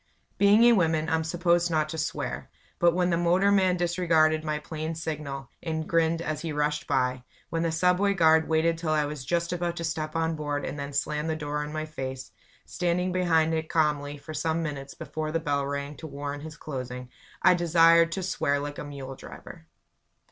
Being a woman, I'm supposed not to swear; but when the motorman disregarded my plain signal, and grinned as he rushed by; when the subway guard waited till I was just about to step on board and then slammed the door in my face standing behind it calmly for some minutes before the bell rang to warrant his closing I desired to swear like a mule driver.